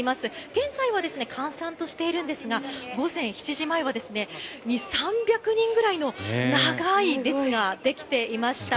現在は閑散としているんですが午前７時前は２００３００人ぐらいの長い列ができていました。